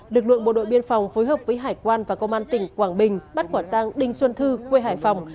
được lượng một đội biên phòng phối hợp với hải quan và công an tỉnh quảng bình bắt quả tăng đinh xuân thư quê hải phòng